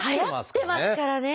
はやってますからね。